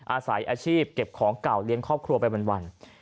อาศัยอาชีพเก็บของเก่าเลี้ยงครอบครัวไปวัน